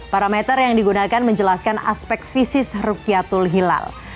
parameter yang digunakan menjelaskan aspek fisik rukyatul hilal